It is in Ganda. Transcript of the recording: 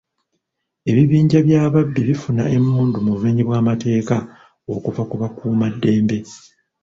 Ebibinja by'ababbi bifuna emmundu mu bumenyi bw'amateeka okuva ku bakuumaddembe.